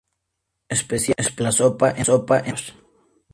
Special", "La Sopa", entre otros.